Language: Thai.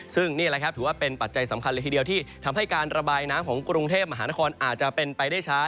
ซึ่งนี่แหละครับถือว่าเป็นปัจจัยสำคัญเลยทีเดียวที่ทำให้การระบายน้ำของกรุงเทพมหานครอาจจะเป็นไปได้ช้า